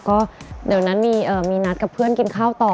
ก็เดี๋ยวนั้นมีนัดกับเพื่อนกินข้าวต่อ